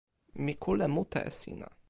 mi kule mute e sina.